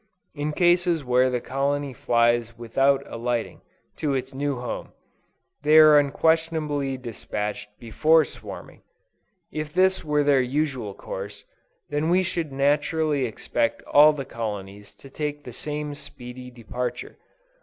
In cases where the colony flies without alighting, to its new home, they are unquestionably dispatched before swarming. If this were their usual course, then we should naturally expect all the colonies to take the same speedy departure.